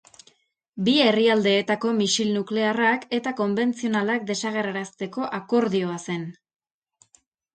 Bi herrialdeetako misil nuklearrak eta konbentzionalak desagerrarazteko akordioa zen.